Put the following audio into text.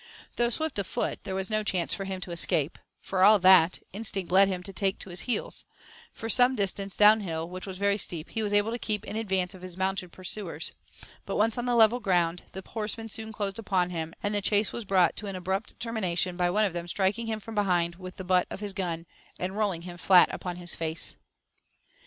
Though swift of foot, there was no chance for him to escape; for all that, instinct led him to take to his heels. For some distance down hill, which was very steep, he was able to keep in advance of his mounted pursuers. But once on the level ground, the horsemen soon closed upon him, and the chase was brought to an abrupt termination by one of them striking him from behind with the butt of his gun, and rolling him flat upon his face.